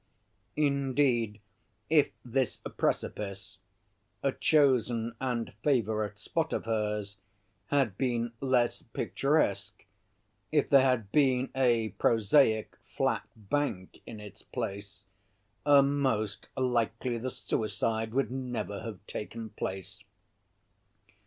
Indeed, if this precipice, a chosen and favorite spot of hers, had been less picturesque, if there had been a prosaic flat bank in its place, most likely the suicide would never have taken place.